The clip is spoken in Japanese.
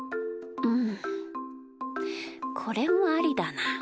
うんこれもありだな。